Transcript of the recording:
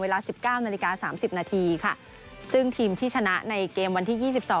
เวลา๑๙๓๐ซึ่งทีมที่ชนะในเกมวันที่๒๒